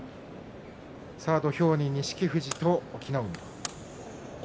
土俵に錦富士と隠岐の海。